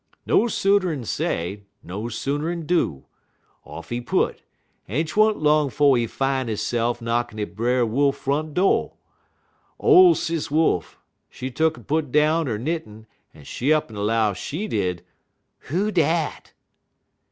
"No sooner say, no sooner do. Off he put, en 't wa'n't long 'fo' he fine hisse'f knockin' at Brer Wolf front do'. Ole Sis Wolf, she tuck'n put down 'er knittin' en she up'n low, she did: "'Who dat?'